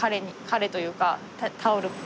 彼というかタオル。